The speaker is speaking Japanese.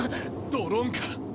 ドローンか！